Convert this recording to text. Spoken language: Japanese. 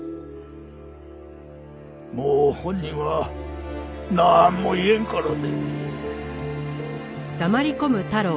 もう本人はなんも言えんからね。